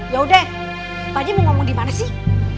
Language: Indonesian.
yaudah pak haji mau ngomong di mana sih